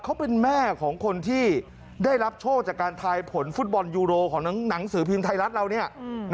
เขาเป็นแม่ของคนที่ได้รับโชคจากการทายผลฟุตบอลยูโรของหนังสือพิมพ์ไทยรัฐเราเนี่ย